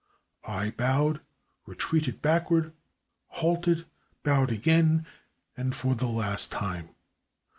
I bowed, retreated backward, halted, bowed again and for the last time.